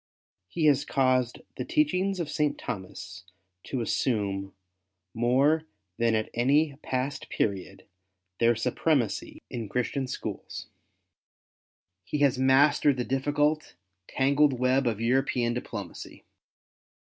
He has caused the teachings of St. Thomas to assume more than at any past period, their supremacy in Cluistian schools. He has mastered the difficult, tangled web of European diplomacy.